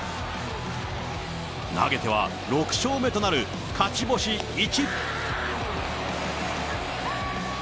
投げては、６勝目となる勝ち星１。